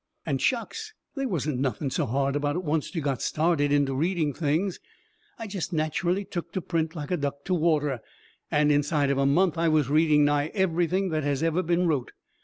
And shucks! they wasn't nothing so hard about it oncet you'd got started in to reading things. I jest natcherally took to print like a duck to water, and inside of a month I was reading nigh everything that has ever been wrote.